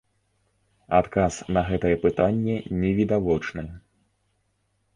Адказ на гэтае пытанне невідавочны.